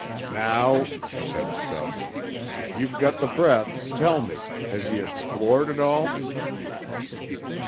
"Now," said Stubbs, "if ye've gut th' breath, tell me, has ye explored at all?"